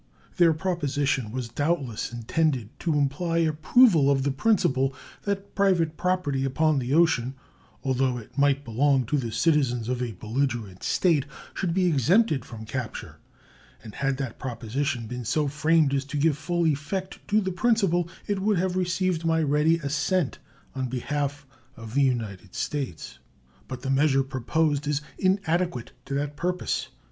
Their proposition was doubtless intended to imply approval of the principle that private property upon the ocean, although it might belong to the citizens of a belligerent state, should be exempted from capture; and had that proposition been so framed as to give full effect to the principle, it would have received my ready assent on behalf of the United States. But the measure proposed is inadequate to that purpose.